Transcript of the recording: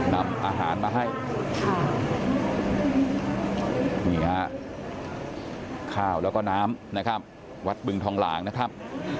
นำอาหารมาให้ค่ะนี่ฮะข้าวแล้วก็น้ำนะครับวัดบึงทองหลางนะครับ